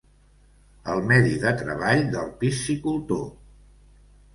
El medi de treball del piscicultor.